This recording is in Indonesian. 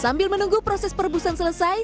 sambil menunggu proses perebusan selesai